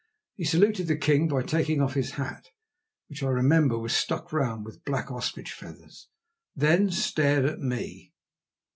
He saluted the king by taking off his hat, which I remember was stuck round with black ostrich feathers, then stared at me.